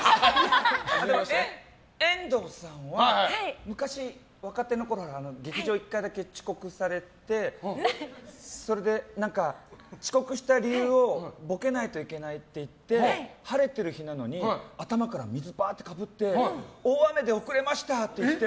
遠藤さんは、昔、若手のころ劇場に１回だけ遅刻されて、それで遅刻した理由をボケないといけないって言って晴れてる日なのに頭から水ばーっとかぶって大雨で遅れました！って言って。